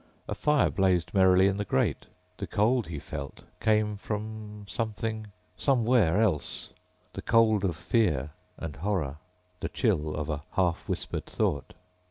A fire blazed merrily in the grate. The cold he felt came from something ... somewhere else. The cold of fear and horror, the chill of a half whispered thought.